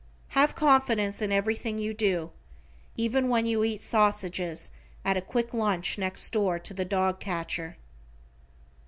Have confidence in everything you do, even when you eat sausages at a quick lunch next door to the dog catcher.